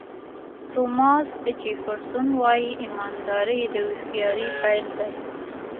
توماس جیفرسون وایي ایمانداري د هوښیارۍ پیل دی.